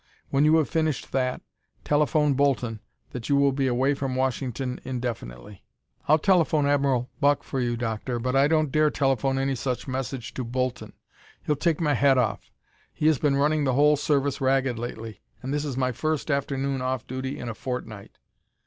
When you have finished that, telephone Bolton that you will be away from Washington indefinitely." "I'll telephone Admiral Buck for you, Doctor, but I don't dare telephone any such message to Bolton; he'd take my head off. He has been running the whole service ragged lately, and this is my first afternoon off duty in a fortnight."